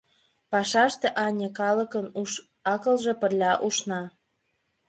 Пашаште, ане, калыкын уш-акылже пырля ушна.